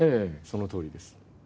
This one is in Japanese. そのとおりです